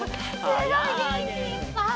すごいげんきいっぱい！